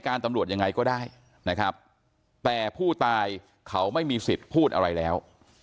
ตำรวจยังไงก็ได้นะครับแต่ผู้ตายเขาไม่มีสิทธิ์พูดอะไรแล้ว